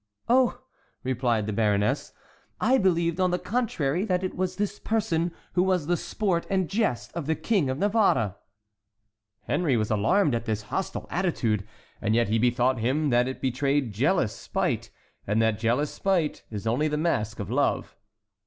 "Oh!" replied the baroness, "I believed, on the contrary, that it was this person who was the sport and jest of the King of Navarre." Henry was alarmed at this hostile attitude, and yet he bethought him that it betrayed jealous spite, and that jealous spite is only the mask of love.